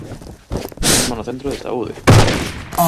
Mesmo no centro de saúde!